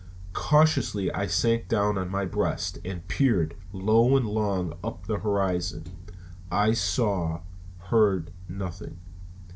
Cautiously I sank down on my breast and peered low and long up the horizon. I saw, heard nothing.